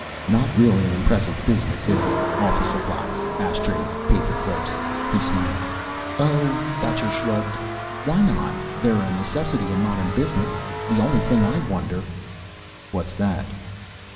"Not really an impressive business, is it? Office supplies. Ashtrays, paper clips." He smiled. "Oh " Thacher shrugged. "Why not? They're a necessity in modern business. The only thing I wonder " "What's that?"